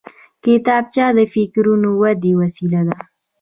کتابچه د فکري ودې وسیله ده